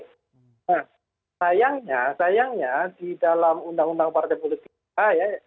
nah sayangnya sayangnya di dalam undang undang partai politik kita ya